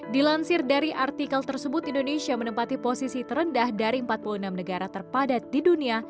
dilansir dari artikel tersebut indonesia menempati posisi terendah dari empat puluh enam negara terpadat di dunia